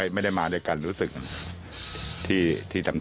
ไม่ได้พูดคุยอะไร